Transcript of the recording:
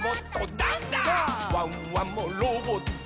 「ワンワンもロボット」